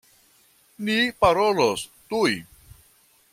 Ni parolos tuj!